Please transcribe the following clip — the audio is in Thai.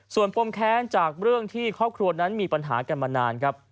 ส่วนปมแค้นจากเรื่องที่ครอบครัวนั้นมีปัญหากันมานานครับ